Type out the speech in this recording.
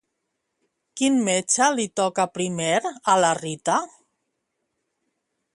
Quin metge li toca primer a la Rita?